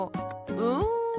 うん。